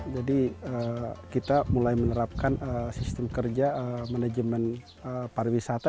jadi kita mulai menerapkan sistem kerja manajemen pariwisata